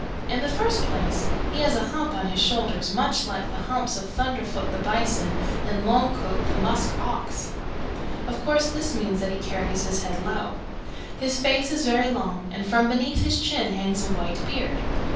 "In the first place he has a hump on his shoulders much like the humps of Thunderfoot the Bison and Longcoat the Musk Ox. Of course this means that he carries his head low. His face is very long and from beneath his chin hangs a white beard.